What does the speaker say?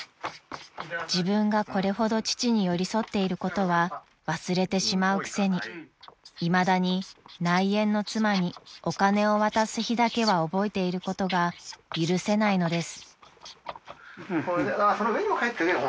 ［自分がこれほど父に寄り添っていることは忘れてしまうくせにいまだに内縁の妻にお金を渡す日だけは覚えていることが許せないのです］